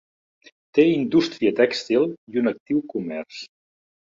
Té indústria tèxtil i un actiu comerç.